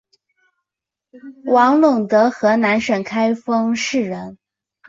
王陇德河南省开封市人。